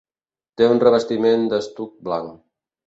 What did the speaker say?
Té un revestiment d'estuc blanc.